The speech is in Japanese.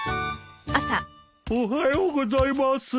おはようございます。